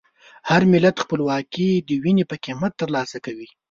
هر ملت خپلواکي د وینې په قیمت ترلاسه کوي.